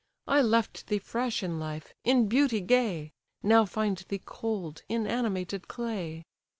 I left thee fresh in life, in beauty gay; Now find thee cold, inanimated clay!